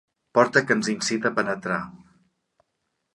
Porta que ens incita a penetrar.